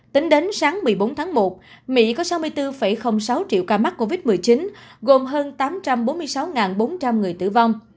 tính đến sáng một mươi bốn tháng một mỹ có sáu mươi bốn sáu triệu ca mắc covid một mươi chín gồm hơn tám trăm bốn mươi sáu bốn trăm linh người tử vong